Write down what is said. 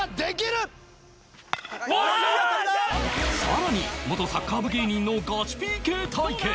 さらに元サッカー部芸人のガチ ＰＫ 対決！